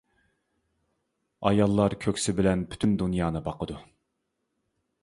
ئاياللار كۆكسى بىلەن پۈتۈن دۇنيانى باقىدۇ.